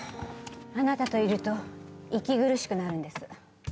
あなたといると息苦しくなるんです。